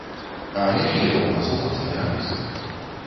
А якія ў нас уласныя рысы?